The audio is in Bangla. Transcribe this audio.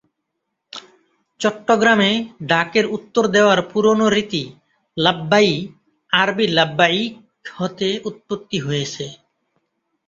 চট্টগ্রামে ডাকের উত্তর দেওয়ার পুরানো রীতি ‘লাববাই’ আরবি ‘লাববাইক’ হতে উৎপত্তি হয়েছে।